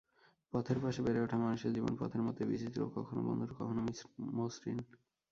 পথের পাশে বেড়ে ওঠা মানুষের জীবন পথের মতোই বিচিত্র—কখনো বন্ধুর, কখনো মসৃণ।